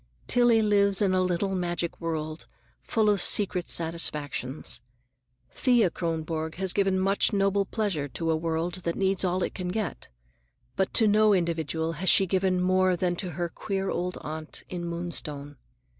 Tillie lives in a little magic world, full of secret satisfactions. Thea Kronborg has given much noble pleasure to a world that needs all it can get, but to no individual has she given more than to her queer old aunt in Moonstone.